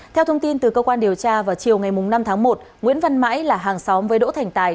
theo thông tin từ cơ quan điều tra vào chiều ngày năm tháng một nguyễn văn mãi là hàng xóm với đỗ thành tài